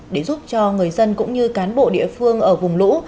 để giúp cho người dân cũng như cán bộ địa phương ở vùng lũ